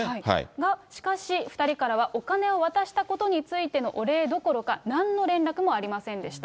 が、しかし、２人からはお金を渡したことについてのお礼どころか、なんの連絡もありませんでした。